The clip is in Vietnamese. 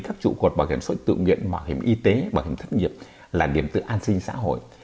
các trụ cột bảo hiểm sội tự nguyện bảo hiểm y tế bảo hiểm thất nghiệp là điểm tựa an sinh xã hội